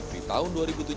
di tahun dua ribu tujuh belas